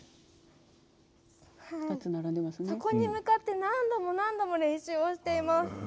そこに向かって何度も何度も練習をしています。